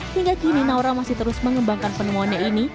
hingga kini naura masih terus mengembangkan penemuannya ini